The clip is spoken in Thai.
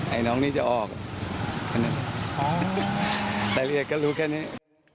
ไอ้น้องนี้จะออกแต่เรียกก็รู้แค่เนี้ย